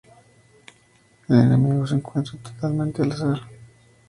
El enemigo se encuentra totalmente al azar.